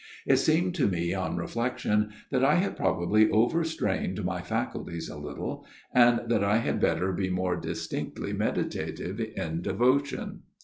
It seemed to me on reflection that I had probably overstrained my faculties a little, and that I had better be more distinctly meditative in devotion.